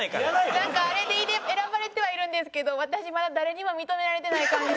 なんかあれで選ばれてはいるんですけど私まだ誰にも認められてない感じに。